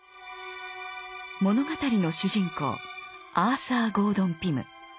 物語の主人公アーサー・ゴードン・ピム。